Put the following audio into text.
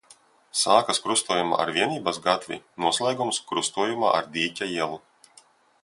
Sākas krustojumā ar Vienības gatvi, noslēgums – krustojumā ar Dīķa ielu.